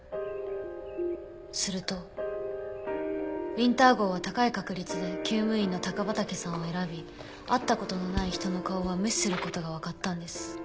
するとウィンター号は高い確率で厩務員の高畠さんを選び会った事のない人の顔は無視する事がわかったんです。